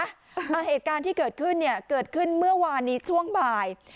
อ่าเหตุการณ์ที่เกิดขึ้นเนี่ยเกิดขึ้นเมื่อวานนี้ช่วงบ่าย